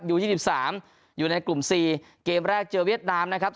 ยูยี่สิบสามอยู่ในกลุ่มสี่เกมแรกเจอเวียดดามนะครับ